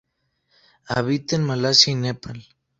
Habita en Malasia y Nepal.